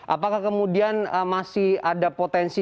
apakah kemudian masih ada potensi